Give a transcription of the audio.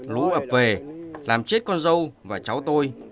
lũ ập về làm chết con dâu và cháu tôi